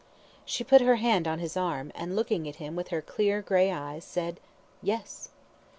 She put her hand on his arm, and looking at him with her clear, grey eyes, said "Yes!"